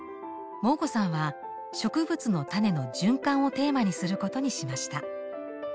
モー子さんは植物の種の循環をテーマにすることにしました。